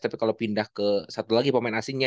tapi kalau pindah ke satu lagi pemain asingnya